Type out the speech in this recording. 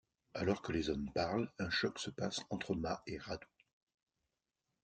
Alors que les hommes parlent, un choc se passe entre Ma et Radu.